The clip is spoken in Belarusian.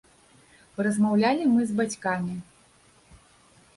Паразмаўлялі мы з бацькамі.